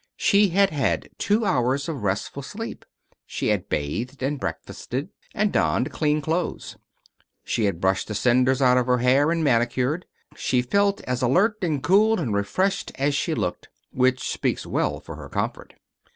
She had had two hours of restful sleep. She had bathed, and breakfasted, and donned clean clothes. She had brushed the cinders out of her hair, and manicured. She felt as alert, and cool and refreshed as she looked, which speaks well for her comfort.